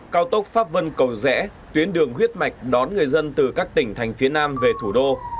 cao tốc pháp vân cầu rẽ tuyến đường huyết mạch đón người dân từ các tỉnh thành phía nam về thủ đô